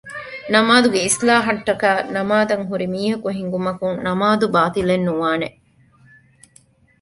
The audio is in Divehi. ނަމާދުގެއިޞްލާޙަށްޓަކައި ނަމާދަށްހުރިމީހަކު ހިނގުމަކުން ނަމާދު ބާޠިލެއް ނުވާނެ